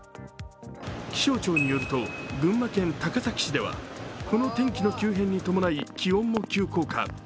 気象庁によると群馬県高崎市ではこの天気の急変に伴い気温も急降下。